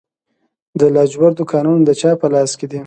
د لاجوردو کانونه د چا په لاس کې دي؟